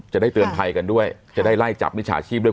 จะได้เตือนภัยกันด้วยจะได้ไล่จับมิจฉาชีพด้วย